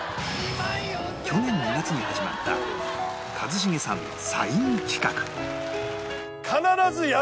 去年２月に始まった一茂さんのサイン企画